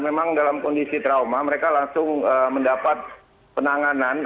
memang dalam kondisi trauma mereka langsung mendapat penanganan